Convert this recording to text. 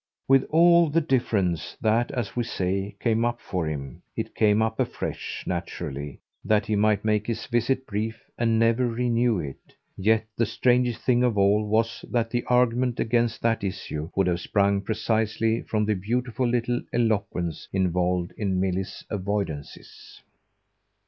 With all the difference that, as we say, came up for him, it came up afresh, naturally, that he might make his visit brief and never renew it; yet the strangest thing of all was that the argument against that issue would have sprung precisely from the beautiful little eloquence involved in Milly's avoidances.